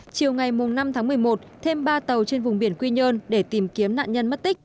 chiều ngày năm tháng một mươi một thêm ba tàu trên vùng biển quy nhơn để tìm kiếm nạn nhân mất tích